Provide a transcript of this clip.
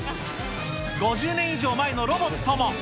５０年以上前のロボットも。